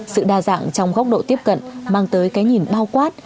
sự đa dạng trong góc độ tiếp cận mang tới cái nhìn bao quát